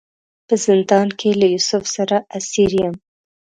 په زندان کې له یوسف سره اسیر یم.